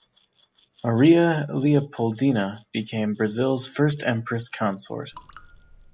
Maria Leopoldina became Brazil's first empress consort.